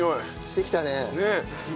してきたね。